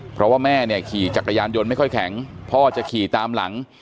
เพราะว่าแม่เนี่ยขี่จักรยานยนต์ไม่ค่อยแข็งพ่อจะขี่ตามหลัง